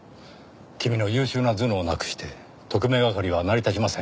君の優秀な頭脳なくして特命係は成り立ちません。